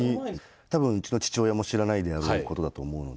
多分うちの父親も知らないであろうことだと思うので。